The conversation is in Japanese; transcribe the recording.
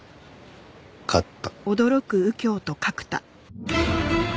勝った。